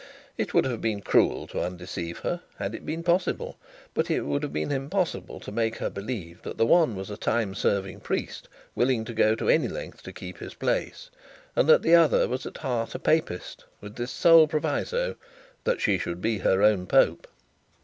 It would have been cruel to undeceive her, had it been possible; but it would have been impossible to make her believe that the one was a time serving priest, willing to go any length to keep his place, and that the other was in heart a papist, with this sole proviso, that she should be her own pope.